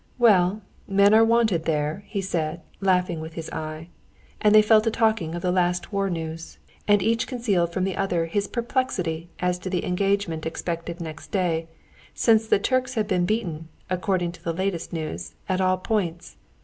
"Well, men are wanted there," he said, laughing with his eyes. And they fell to talking of the last war news, and each concealed from the other his perplexity as to the engagement expected next day, since the Turks had been beaten, according to the latest news, at all points.